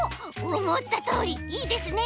おもったとおりいいですね。